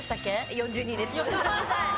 ４２です。